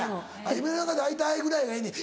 「夢の中で会いたい」ぐらいがええねん。